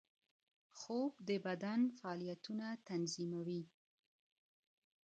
خوب د بدن فعالیتونه تنظیموي